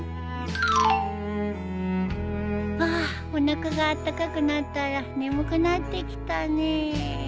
わあおなかがあったかくなったら眠くなってきたねえ。